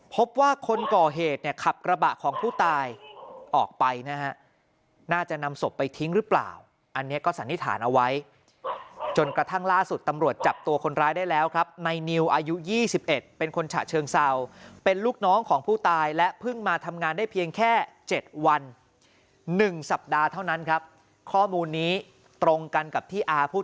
พบว่าคนก่อเหตุเนี่ยขับกระบะของผู้ตายออกไปนะฮะน่าจะนำศพไปทิ้งหรือเปล่าอันนี้ก็สันนิษฐานเอาไว้จนกระทั่งล่าสุดตำรวจจับตัวคนร้ายได้แล้วครับในนิวอายุ๒๑เป็นคนฉะเชิงเศร้าเป็นลูกน้องของผู้ตายและเพิ่งมาทำงานได้เพียงแค่๗วัน๑สัปดาห์เท่านั้นครับข้อมูลนี้ตรงกันกับที่อาพูด